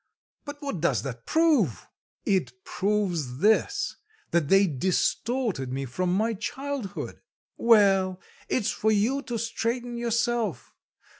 But what does that prove?" "It proves this, that they distorted me from my childhood." "Well, it's for you to straighten yourself!